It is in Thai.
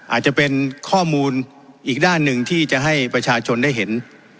อาจจะเป็นข้อมูลอีกด้านหนึ่งที่จะให้ประชาชนได้เห็น